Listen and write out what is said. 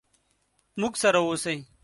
موږ سره ووسئ.